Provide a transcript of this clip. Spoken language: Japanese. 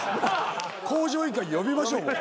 『向上委員会』に呼びましょうもう。